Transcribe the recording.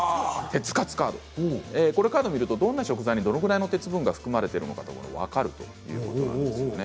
このカードを見るとどんな食材にどれくらいの鉄分が含まれているのかが分かるんですね。